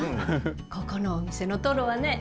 ここのお店のトロはね